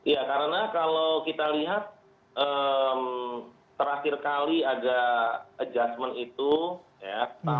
ya karena kalau kita lihat terakhir kali ada adjustment itu tahun dua ribu dua puluh